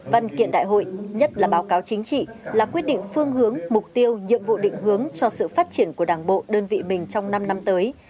văn kiện đại hội nhất là báo cáo chính trị là quyết định phương hướng mục tiêu nhiệm vụ định hướng cho sự phát triển của đảng bộ đơn vị mình trong năm năm tới